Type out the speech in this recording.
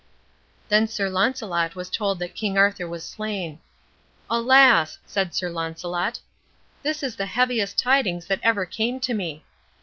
Then Sir Launcelot was told that King Arthur was slain. "Alas!" said Sir Launcelot, "this is the heaviest tidings that ever came to me."